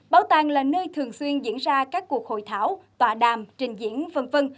bảo tàng là nơi thường xuyên diễn ra các cuộc hội thảo tọa đàm trình diễn v v